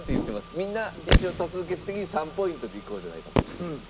みんな一応多数決的に３ポイントでいこうじゃないかと。